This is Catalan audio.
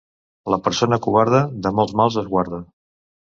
La persona covarda de molts mals es guarda.